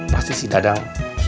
pasti si dadang